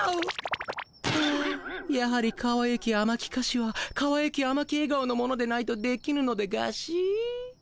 はあやはりかわゆきあまきかしはかわゆきあまきえ顔の者でないとできぬのでガシ？